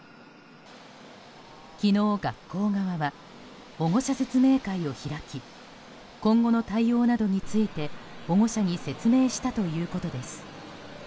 昨日、学校側は保護者説明会を開き今後の対応などについて保護者に説明したということです。